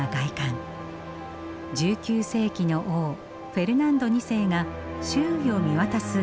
１９世紀の王フェルナンド２世が周囲を見渡す崖の上に築きました。